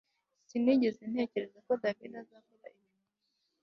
Sinigeze ntekereza ko David azakora ibintu nkibyo